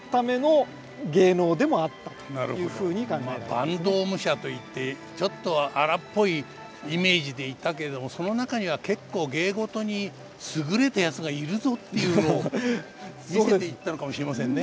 坂東武者といってちょっと荒っぽいイメージでいたけれどもその中には結構芸事に優れた奴がいるぞっていうのを見せていったのかもしれませんね。